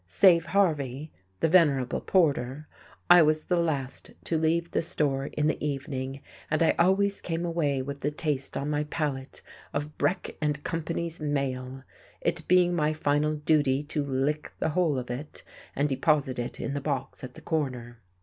Save Harvey, the venerable porter, I was the last to leave the store in the evening, and I always came away with the taste on my palate of Breck and Company's mail, it being my final duty to "lick" the whole of it and deposit it in the box at the corner.